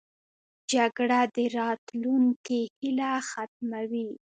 جګړه د راتلونکې هیله ختموي